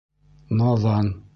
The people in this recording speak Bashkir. — Наҙан!